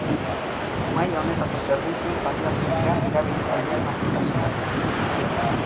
Maila honetako zerbitzuez baliatzen dira erabiltzaileen aplikazioak.